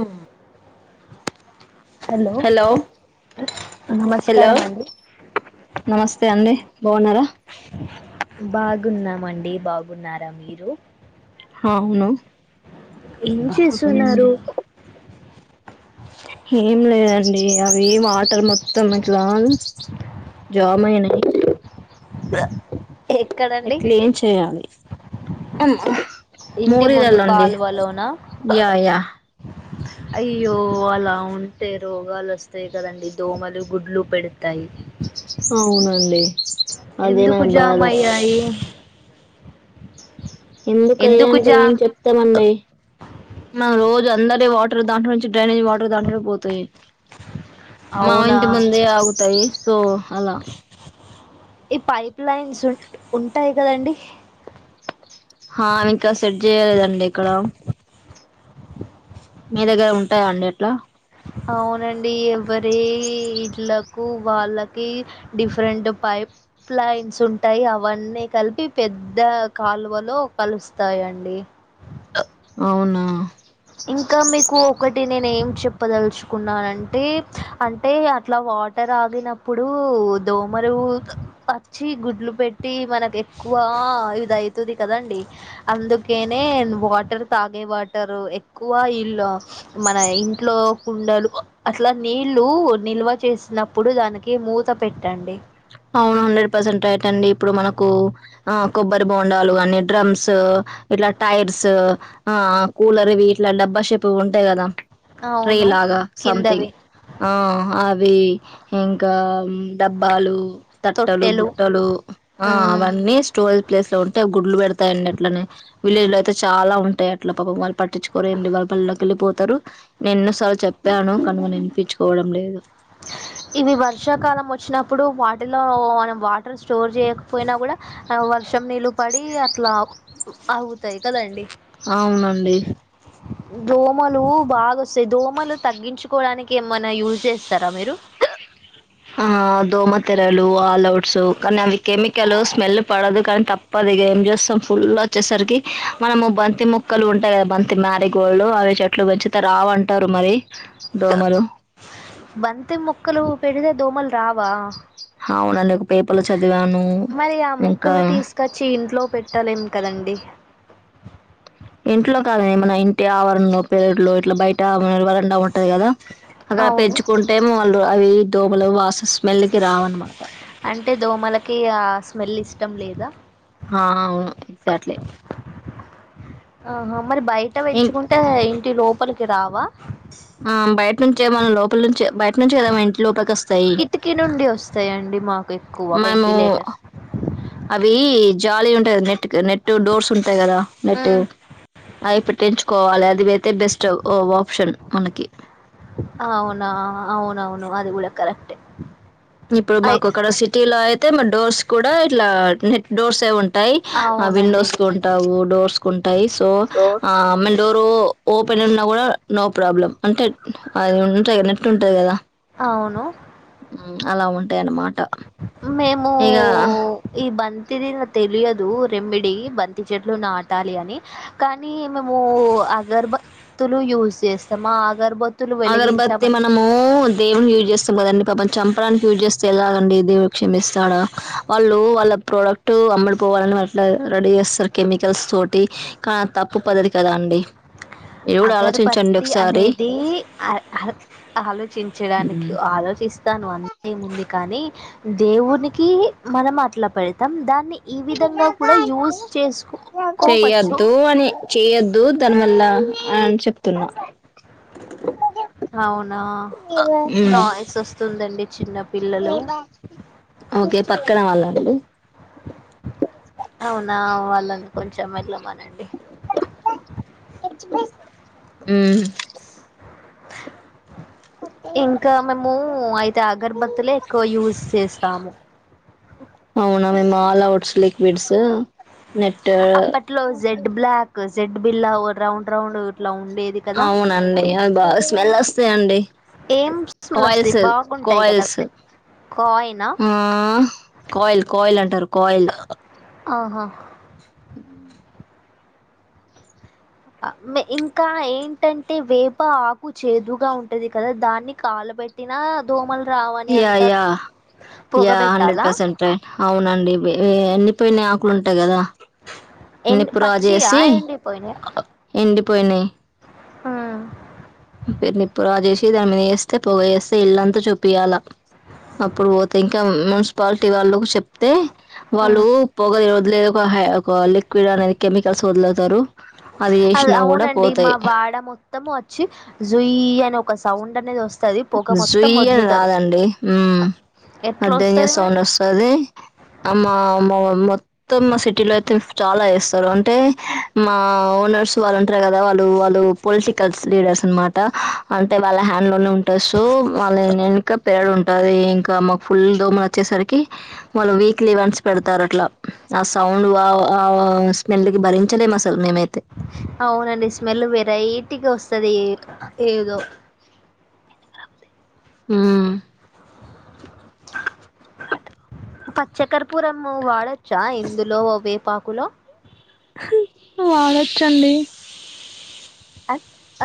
ఉమ్. Hello hello నమస్కారం అండి. నమస్తే అండి. బాగున్నారా బాగున్నామండి, బాగున్నారా మీరు. అవును ఏం చేసున్నారు. హేం లేదండి, అవి వాటర్ మొత్తం ఇట్లా. జామైనది. ఎక్కడండి ఏట్లా ఏం చేయాలి. అమ్మ. ఇంటి ముందు మూరీలలో అండి కల్వలోనా. యా యా అయ్యో అలా ఉంటే రోగాలు వస్తాయి కదండీ. దోమలు, గుడ్లు పెడతాయి. అవునండి, అదే నా ఎందుకు జామ్ బాధ. అయ్యాయి ఎందుకయ్యే ఎందుకు అంటే, ఏం జామ్ చెప్తామండి. మనం రోజు [unintelligible] అందరి వాటర్, దాంట్లో నుంచి డ్రైనేజ్ వాటర్, దాంట్లోనే పోతాయి. మా అవునా ఇంటి ముందే ఆగుతాయి, సో అలా. ఈ పైప్ లైన్స్ ఉన్, ఉంటాయి కదండి. హా ఇంకా సెట్ చేయ్యలేదండి ఇక్కడ. మీ దగ్గర ఉంటాయా అండి అట్లా. అవునండి ఎవరి ఇండ్లకు వాళ్ళకి డిఫరెంట్ పైప్ ప్లైన్స్ ఉంటయ్ అవన్నీ కల్పి పెద్ద కాలువలో కలుస్తాయండి [inaudible] అవునా చెప్పదలుచుకున్నానుంటే అంటే అట్లా వాటర్ ఆగినప్పుడు దోమలు వచ్చి గుడ్లు పెట్టి మనకు ఎక్కువ ఇదయితుంది కదండి అందుకేనే వాటర్ తాగే వారు ఎక్ ఎక్కువ ఇల్లు మన ఇంట్లో కుండలు అట్లా నీళ్ళు నిల్వ చేస్ న్నప్పుడు దానికి మూత పెట్టండి అవును హండ్రెడ్ పర్సెంట్ రైట్ అండి ఇప్పుడు మనకు ఆ కొబ్బరి బోండాలు కాని డ్రమ్స్ ఇట్లా టైర్స్ ఆ కూలర్ ఇవి ఇట్లా డబ్బాషేపు ఉంటాయి గదా అవును రీలాగా సంథింగ్ కిందవి ఆ అవి ఇంకా డబ్బాలు తట్టలు తొట్టెలు బుట్టలు ఆ ఉమ్. అవన్నీ స్టో ప్లేస్ లో ఉంటే గుడ్లు పెడతాయండి అట్లనే విలేజ్ లో అయితే చాలా ఉంటాయి అట్లా పాపం వాల్ పట్టించుకోరు ఏం వాళ్ళ పనుల్లోకి వెళ్ళిపోతరు నేను ఎన్నోసార్లు చెప్పాను కానిని వినిపించుకోవడం లేదు ఇప్పుడు వాటిలో మనం వాటర్ స్టోర్ జేయకపోయినా గూడా ఆ వర్షం నీళ్ళు పడి అట్లా అగుతాయి కదండి అవునండి దోమలు బాగొస్తాయి దోమలు తగ్గించుకోవడానికి ఏమైన్నా యూజ్ జే ఇస్తారా మీరు ఆ దోమ తెెరలు ఆల్అఔట్స్ కానీ అవి కెమికల్ స్మెల్ పడదు కానీ తప్పదు ఇగ ఏంజేస్తాం ఫుల్ వచ్చేసరికి మనము బంతి మొక్కలు ఉంటాయి గదా బంతి మ్యారీగోల్డ్ అవి అట్లు పెంచితే రావంటారు మరి దోమలు బంతి మొక్కలు పెడితే దోమల్ రావా అవునండి. ఒక పేపర్‌లో చదివాను. మరి ఆ ఇంకా మొక్కల్ని తీసుకొచ్చి ఇంట్లో పెట్టలేం కదన్ ఉమ్ ఇంట్లో కాదు ఏమన్న ఇంటి ఆవరణలో ప్లేట్లు ఇట్లా బయట వరండా ఉంటది గదా అక్కడ అవును పెంచుకుంటే మళ్ళ అవి దోమలు వాసస్ అంటే దోమలకి ఆ స్మెల్ ఇష్టం లేదా ఆ అవును సర్లే ఆహా మరి బయట ఇం పెంచుకుంటే ఇంటి లోపల్కి రావా ఉమ్ బయట నుంచే మన లోపలి నుంచే బయట నుంచే గదా మన ఇంటి లోపలికొస్తాయి కిటికీ నుండి వస్తాయండి మాకు ఎక్కువ మీము వెంటిలేటర్స్ అవి జాలీ ఉంటాయి గదా నెట్ నెట్ డోర్స్ ఉంటాయి గదా నెట్ అవి పెట్టించుకోవాలే అవున అవునవును అది కూడా కరక్టే ఇప్పుడు మాకుక్కడ సిటీ లో అయితే మా డోర్స్ కూడా ఇట్లా నెట్ డోర్స్ యే ఉంటాయి టాయ్ అవి అవునండి విండోస్ కు ఉంటావు డోర్స్ ఉంటాయి సో ఆ మళ్ళ డోర్ ఓపె లున్నా గూడా నో ప్రాబ్లం అంటే అది ఉంటాయ్ కదా నెట్ ఉంటది గదా అవును అలా ఉంటాయి అన్నమాట మేము ఇక ఈ బం తెలీదు నాకు తెలియదు రెమెడీ బంతి చెట్లు నాటాలి అని కానీ మేము అగర్బత్తులు యూజ్ చేస్తాం ఆ అగర్బత్ అగరబత్తి మనము దేవుడిని యూజ్ చేస్తాం కదండి పాపం చంపడానికి యూజ్ చేస్తే ఎలాగండి దేవుడు క్షమిస్తాడా వాళ్ళు వాళ్ళ ప్రోడక్ట్ అమ్మడిపో వాళ్లను అట్ల రెడీ చేస్తారు కెమికల్స్ తోటి కానీ ఆది తప్పు పద్దతీ కదా అండి మీరు గూడా ఆలోచించండి ఒకసారి ఈ ఆలోచించడానికి ఉమ్. ఆలోచిస్తాను అంతేముంది కానీ దేవునికి మనం అట్లా పెడతాం దాన్ని ఈ విధంగా కూడా యూస్ చేసుకొని చెయ్యొద్దు అని చెయ్యొద్దు దానివల్ల అం చెప్తున్నా అవునా మ్మ్ నాయిస్ వస్తుందండి చిన్నప్పు ఓకే పక్కన వాళ్లండి అవునా వాళ్ళని కొంచెం వెళ్ళమనండి మ్ ఇంకా మేము అయితే అగర్బత్తులే ఎక్కువ యూస్ చేస్తాము మేం ఆల్ అఔట్స్ లిక్విడ్స్ నెట్ అప్పట్లో జెడ్ బ్లాక్ జెడ్ బిల్లా రౌండ్ రౌండ్ ఇట్లా ఉండేది కదా అవునండి అ బా స్మెల్ ఓస్ సే అండి ఏం స్మెల్ కాయిల్ వస్తాయి సెల్ బాగుంటాయి కదా కాయిల్స్ కాయినా ఆ కోయిల్ కోయిల్ అంటారు కోయిల్ ఆహా మ్ ఆ మే ఇంకా ఏంటంటే వేప ఆకు చేదుగా ఉంటది కదా దాన్ని కాలో పెట్టినా దోమలు రావని యా అంటారు యా యా హండ్రెడ్ పొగబెట్టాలా? పర్సెంట్ ఏ అవునండి ఎన్నిపోయిన ఆకులు ఉంటాయి కదా ఎన్ నిప్పు రా పచ్చియా చేసి ఎండిపోయినయా? ఎండిపోయినాయి ఆ ఇది ఆమె ఏస్తే పొగ ఏస్తే ఇల్లంతా చూపియాల అప్పుడు పోతే ఇంకా మ మున్సిపాలిటీ వాళ్ళ చెప్తే వాళ్ళు హ్మ్. పోగలి లేదు ఒక హై ఒక లిక్విడ్ అనేది కెమికల్స్ వదులుతారు అది అద్ వేసినా కూడా అవునండి మా పోతాయి వాడ మొత్తము వచ్చి జుయ్ అని ఒక సౌండ్ అనేది వస్త్ జుయ్యని రాదండి ఉ అ డేంజర్ ఎట్లొస్తది మరి? సౌండ వస్తది అమ్మా మా మొత్తం మా సిటీలో అయితే చాలా వేస్తారు అంటే మా ఓనర్స్ వాళ్ళు ఉంటారు కదా వాళ్ళు వాళ్ళు పొలిటికల్స్ లీడర్స్ అనమాట అంటే వాళ్ళ హే దాంలోనే ఉంటాయి సో వాళ్ళ వెక పేడు ఉంట టదే ఇంకా మాకు ఫుల్ దోమలు వచ్చేసరికి వాళ్ళు వీక్లీ వన్స్ పెడతారు అట్లా ఆ సౌ సౌండ్ వా స్మెల్ కి భరించలేమ అసలు మేమయితే అవునండి స్మెల్ వెరైటి గొస్తది ఏదో మ్ పచ్చకర్పురము వాడొచ్చా ఇందులో వేపాకులో వాడొచ్చండి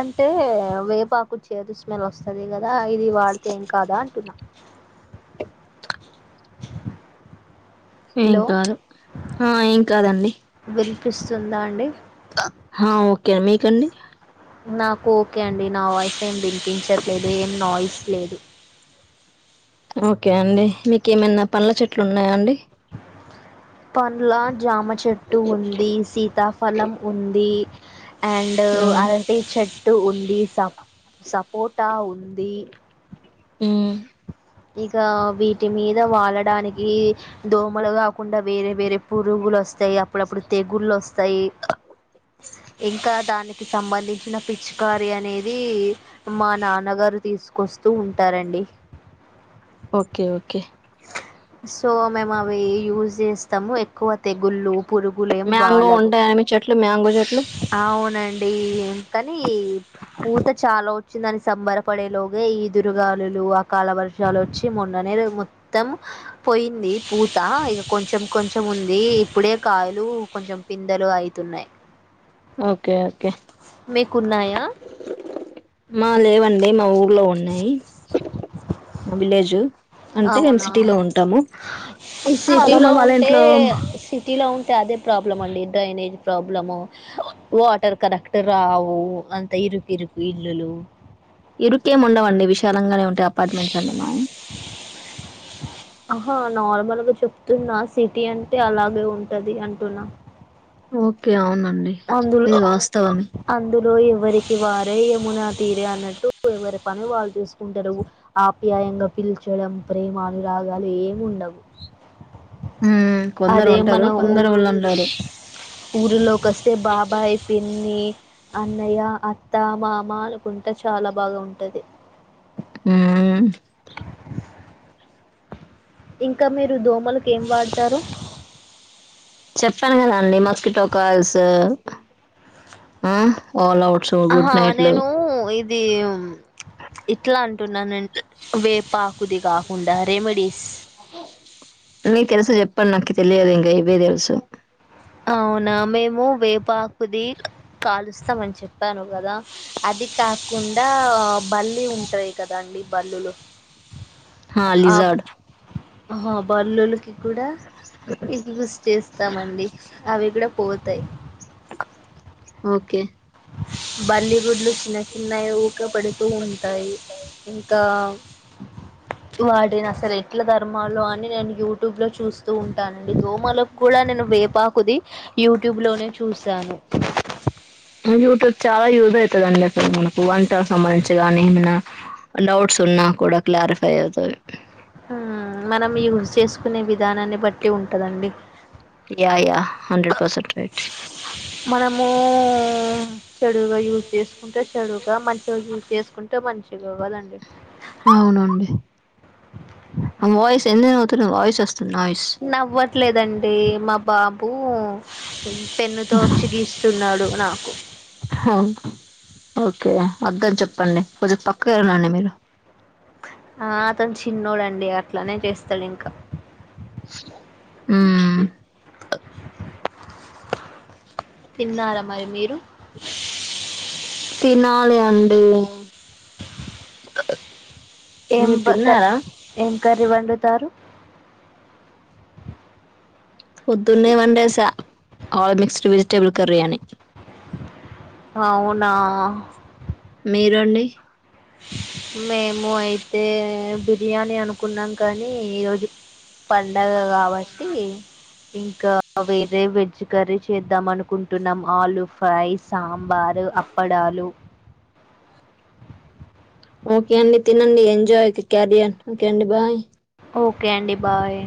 అంటే వేపాకు చేదు స్మెల్ వస్తది కదా ఇది వాడితే ఏం కాదా అంటున్నా ఏం హలో కాదు ఆ ఏం కాదండి పిస్తుందా అండి హా ఓకేం మీకండి నాకు ఓకే అండి నా వాయిస్ ఏం వినిపించట్లేదు ఏం నాయిస్ లేదు ఓకే అండి మీక ఏమైనా పండ్ల చెట్లు ఉన్నాయా అండి పండ్ల జామ చెట్టు ఉంది సీతాఫలం ఉంది అండ్ ఆ! అరటి చెట్టు ఉంది స సపోటా ఉంది మ్ ఇక వీటి మీద వాళడానికి దోమలు కాకుండా వేరే వేరే పురుగులు వస్తాయి అప్పుడప్పుడు తెగుళ్లు వస్తాయి ఇంకా దానీకి సంబంధించిన పిచ్చికారి అనేది మా నాన్నగారు తీసుకొస్తూ ఉంటారండి ఓకే ఓకే సో మేము అవి యూస్ చేస్తాము ఎక్కువ తెగుళ్ళు పురుగులయం మ్యాంగో బాలవు ఉంటాయని చెట్లు మ్యాంగో చెట్లు అవునండి అ కాని పూత చాలా వ వచ్చి దాని సంబరపడేలోగ ఈ దురుగాలులు ఆ కాలవర్షాలు వచ్చి మొన్ననే మొత్తం పోయింది పూత ఇక కొంచెం కొంచెం ఉంది ఇప్పుడే కాయలు కొంచెం పిందలు అవుతున్నాయి ఓకే ఓకే మీకున్నాయా మా లేవండి మా ఊర్లో ఉండి విలేజు అంటే మేము అవునా సిటీలో ఉంటాము ఈ మా సిటీ లో అమ్మమ్మ వాళ్ళ ఉంటే ఇంట్లో సిటీ లో ఉంటే అదే ప్రాబ్లం అండి డ్రైనేజ్ ప్రాబ్లము వాటర్ కనెక్ట్ రావు అంత ఇరుకు ఇరుకు ఇల్లులు ఇరుకేము ఉండవండి విశాలంగానే ఉంటే అపార్ట్మెంట్స్ అండి మ ఆహా నార్మల్గా చెప్తున్నా సిటీ అంటే అలాగే ఉంటది అంటున్నా ఓకే అవునా అందులో అందులో ఎవరికి వారే మునా తీరే అన్నట్టు ఎవరి పను వాళ్ళు చూసుకుంటారు ఆప్యాయంగా పిల్చడం ప్రేమ అనురాగాలు ఏము ఉన్నవు ఉమ్ కొందరు అదే మన ఉంటారు ఊ కొందరు వాళ్ళు ఉండరు ఊరిలోకిస్త బాబాయయి పిన్ని అన్నయ్య అత్త మామ అనుకుంటే చాలా బాగా ఉంటది ఆ ఇంకా మీరు దోమలులకు ఏం వాడతారు చెప్పాను కదాండి మస్కిటో కాల్స్ ఆ ఆల్వుట్ ఆ నేను ఇది ఇట్లా అంటున్నానంటే వేపు ఆకుది కాకుండా రెమెడీస్ నీ తెలుసు చెప్పను నాకు తెలియదు ఇంకా ఇవే తెలుసు అవునా మేము వేపాకుది కాలుస్తాం అని చెప్పాను కదా అది అది కాకుండా బల్లి ఉంటాయి కదండి బల్లులు హా ఆ లిజార్డ్ ఆ బల్లులకి కూడా ఎష చేస్తామండి అవి కూడా పోతాయి ఓకే బాలీవుడ్లు చిన్న చిన్నవి ఊక పడుతూ ఉంటాయి ఇంకా వాడిని అసలు ఎట్ల ధర్మాలు అని నేను యూట్యూబ్ లో చూస్తూ ఉంటానండి దోమలకు కూడా నేను వేపాకుది యూట్యూబ్ లోనే చూసాను యూట్యూబ్ చాలా యూజ్ అవుతదండి అసలు మనకు వంటలకు సంబంధించి కాగానీ ఏమైనా డౌట్స్ ఉన్నా కూడా క్లారిఫై అవుతుా యూజ చేసుకునే విధానాన్ని బట్టి ఉంటుందండి yeah yeah hundred percent right మనము చెడువుగా యూజ్ చేసుకుంటే చెడువుగా మంచిగా యూజ్ చేసుకుంటే మంచిగా కదండి అవునండి ఆ వాయిస్ ఎందు అతున్నా వాయిస్ వస్తు నవ్వట్లేదండి మా బాబు పెన్ను తోసిిగిస్తున్నాడు నాకు వర్ద్దని చెప్పండి కొంచం పక్కకు వెళ్ళినండి మీరు ఎట్లానే చేస్తాడు ఇంకా అ తిన్నారా మరి మీరు తినాలి అండి ఏం మీరు బ క తిన్నారా ఏం కర్రీ వండుతారు పొద్దున్నే one days all mixed vegetable curry అని అవునా మీరండి మేము అయితే బిర్యానీ అనుకున్నాం కానీ ఈరోజు పండగ కాబట్టి ఇంకా వేరే వెజ్ కర్రీ చేద్దాం అనుకుంటున్నాం ఆలుూ ఫ్రై సాంబారు అప్పడాలు ఓకే అండి తినండి ఎంజాయ్ క్యారియన్ ఓకే అండి బాయ్ ఓకే అండి బాయ్